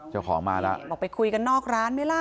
เจ้าของมาแล้วบอกไปคุยกันนอกร้านไหมล่ะ